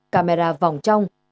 camera vòng trong